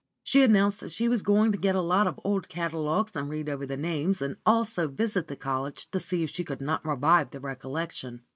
She announced that she was going to get a lot of old catalogues and read over the names, and also visit the college to see if she could not revive the recollection.